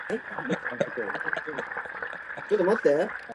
It was decided that banks would transfer their assets following an appraisal.